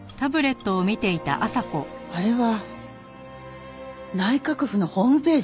あれは内閣府のホームページ？